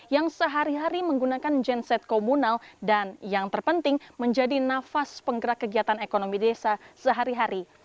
yang sehari hari menggunakan genset komunal dan yang terpenting menjadi nafas penggerak kegiatan ekonomi desa sehari hari